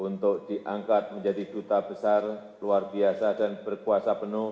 untuk diangkat menjadi duta besar luar biasa dan berkuasa penuh